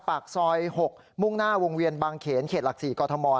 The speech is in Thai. ปากซอย๖มุ่งหน้าวงเวียนบางเขนเขตหลัก๔กรทม